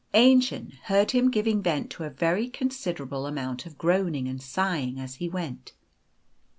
Aennchen heard him giving vent to a very considerable amount of groaning and sighing as he went.